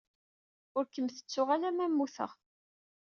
Ur kem-tettuɣ alamma mmuteɣ.